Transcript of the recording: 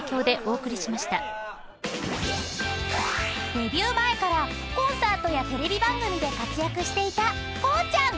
［デビュー前からコンサートやテレビ番組で活躍していた光ちゃん］